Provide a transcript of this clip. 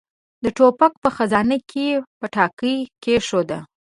د ټوپک په خزانه کې يې پټاکۍ کېښوده.